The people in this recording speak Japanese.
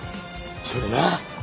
それなー。